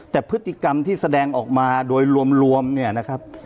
แต่พฤติกรรมที่แสดงออกมาโดยรวมเนี่ยนะครับ